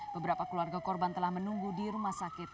beberapa keluarga korban telah menunggu di rumah sakit